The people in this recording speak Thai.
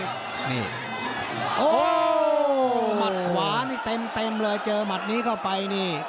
โอ้โหหมัดขวานี่เต็มเลยเจอหมัดนี้เข้าไปนี่